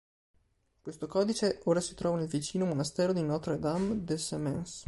Questo codice ora si trova nel vicino monastero di "Notre-Dame-des-Semences".